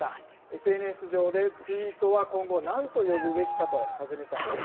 ＳＮＳ上で、ツイートは今後、なんと呼ぶべきかと尋ねたんです。